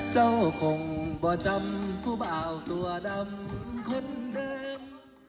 คงบ่จำผู้บ่าวตัวดำคนเดิม